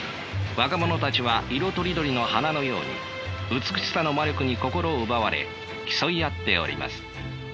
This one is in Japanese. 若者たちは色とりどりの花のように美しさの魔力に心奪われ競い合っております。